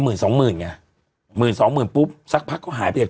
หมื่นสองหมื่นไงหมื่นสองหมื่นปุ๊บสักพักก็หายไปแบบ